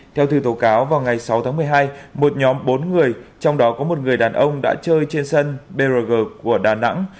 theo thư tố cáo vào ngày sáu tháng một mươi hai một nhóm bốn người trong đó có một người đàn ông đã chơi trên sân brg của đà nẵng